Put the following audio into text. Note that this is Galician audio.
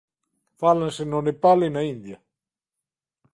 Fálanse no Nepal e na India.